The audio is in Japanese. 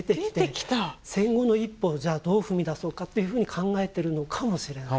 戦後の一歩をじゃあどう踏み出そうかというふうに考えてるのかもしれない。